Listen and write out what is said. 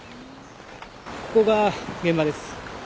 ここが現場です。